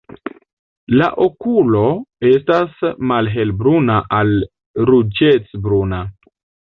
La okulo estas malhelbruna al ruĝecbruna.